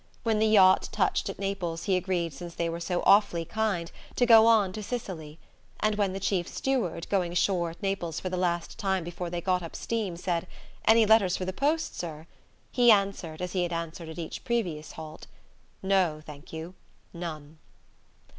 When the yacht touched at Naples he agreed since they were so awfully kind to go on to Sicily. And when the chief steward, going ashore at Naples for the last time before they got up steam, said: "Any letters for the post, sir?" he answered, as he had answered at each previous halt: "No, thank you: none."